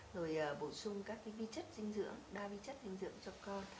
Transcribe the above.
rồi bổ sung các cái vi chất dinh dưỡng đa vi chất dinh dưỡng cho con